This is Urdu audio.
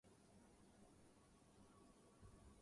کہیں جانور اور پرندے ایسے بھی ہیں جو صرف پاکستان میں پائے جاتے